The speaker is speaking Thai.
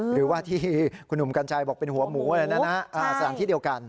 หรือว่าที่คุณหนุ่มกัญชัยบอกเป็นหัวหมูอะไรนะสถานที่เดียวกัน